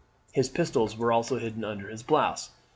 His pistols were also hidden under his blouse.